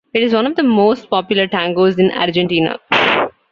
It is one of the most popular tangos in Argentina.